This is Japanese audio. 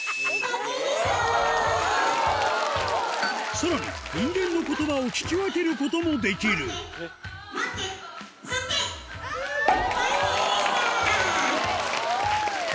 さらに人間の言葉を聞き分けることもできるバッチリでした！